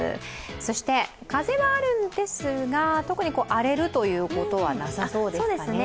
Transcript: そして風はあるんですが特に荒れるということはなさそうですかね。